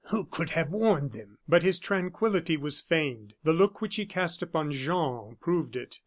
"Who could have warned them?" But his tranquillity was feigned; the look which he cast upon Jean proved it.